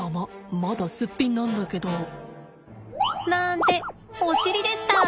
まだスッピンなんだけど。なんてお尻でした。